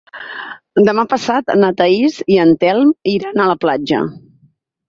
Demà passat na Thaís i en Telm iran a la platja.